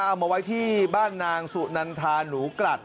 เอามาไว้ที่บ้านนางสุนันทาหนูกลัด